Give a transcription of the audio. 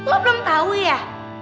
lo belum tau ya